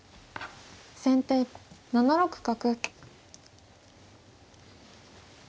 先手７六角。